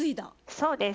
そうです。